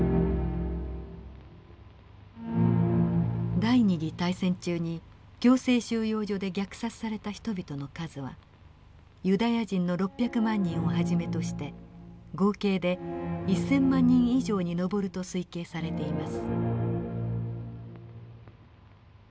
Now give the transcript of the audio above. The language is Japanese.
第二次大戦中に強制収容所で虐殺された人々の数はユダヤ人の６００万人をはじめとして合計で１，０００万人以上に上ると推計されています。